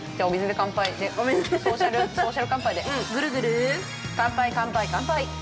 乾杯、乾杯、乾杯。